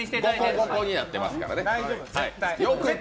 ５個５個になってますからね。